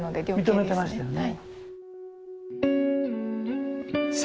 認めてましたよね。